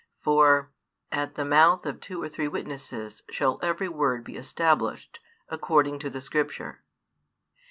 For At the mouth of two or three witnesses shall every word be established, according to the Scripture.